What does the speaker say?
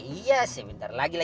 iya sebentar lagi lah